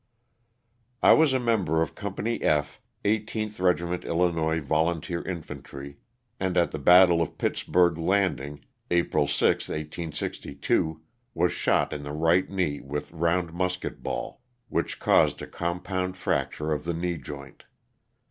T WAS a member of Company F, 18th Regiment llli ^ nois Volunteer Infantry, and at the battle of Pitts burgh Landing, April 6, 1862, was shot in the right knee with round musket ball, which caused a com pound fracture of the knee joint.